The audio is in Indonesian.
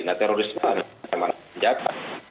nah terorisme adalah persenjataan